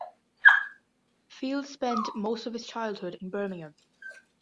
Field spent most of his childhood in Birmingham.